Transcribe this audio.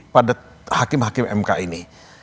pada hakim hakim mk ini